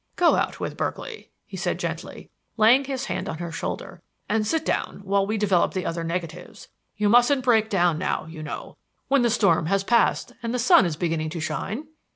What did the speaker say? Go out with Berkeley," he added gently, laying his hand on her shoulder, "and sit down while we develop the other negatives. You mustn't break down now, you know, when the storm has passed and the sun is beginning to shine."